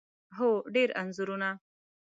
هو، ډیر انځورونه